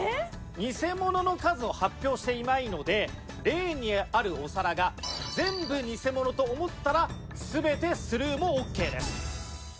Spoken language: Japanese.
ニセモノの数を発表していないのでレーンにあるお皿が全部ニセモノと思ったら全てスルーもオッケーです。